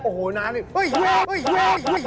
โอ้โฮนานนี่เอ้ยเยี่ยม